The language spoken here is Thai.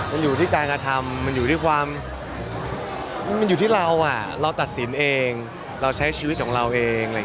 มันอยู่ที่การกระทำมันอยู่ที่เราเราตัดสินเองเราใช้ชีวิตของเราเอง